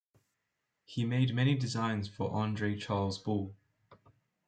He made many designs for Andre Charles Boulle.